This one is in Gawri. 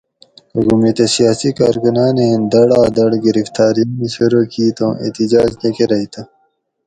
حکومتہ سیاسی کارکناۤن ایں دھڑادھڑ گرفتاۤریان شروع کیت اُوں احتجاج نہ کرئ تہ